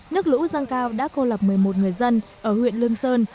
nước lũ dâng cao đã cô lập một mươi một người dân ở huyện lương sơn